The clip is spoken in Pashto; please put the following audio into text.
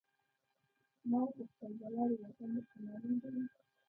ما وپوښتل د لارې واټن درته معلوم دی.